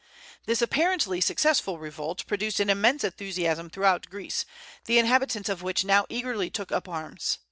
This apparently successful revolt produced an immense enthusiasm throughout Greece, the inhabitants of which now eagerly took up arms.